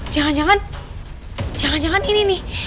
jangan jangan jangan ini nih